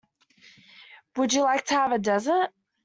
Would you like to have a desert?